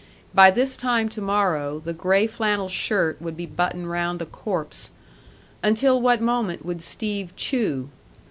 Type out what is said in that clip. By this time to morrow the gray flannel shirt would be buttoned round a corpse. Until what moment would Steve chew?